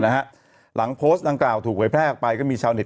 หลังโพสต์ดังกล่าวถูกเผยแพร่ออกไปก็มีชาวเต็